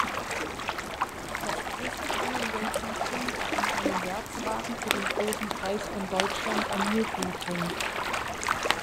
Das Chris-Amon-Racing-Team gab ihm einen Werkswagen für den Großen Preis von Deutschland am Nürburgring.